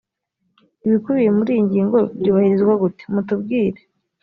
ibikubiye muri iyi ngingo byubahirizwa gute mutubwire